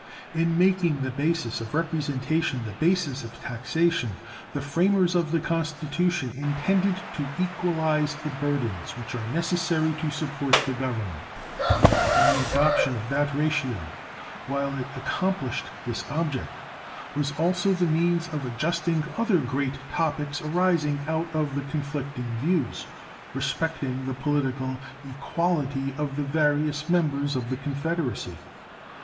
In making the basis of representation the basis of taxation the framers of the Constitution intended to equalize the burdens which are necessary to support the Government, and the adoption of that ratio, while it accomplished this object, was also the means of adjusting other great topics arising out of the conflicting views respecting the political equality of the various members of the Confederacy.